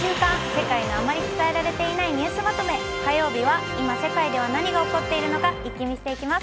世界のあまり伝えられていないニュースまとめ」火曜日は今、世界では何が起きているのか一気見していきます。